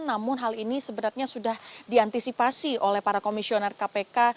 namun hal ini sebenarnya sudah diantisipasi oleh para komisioner kpk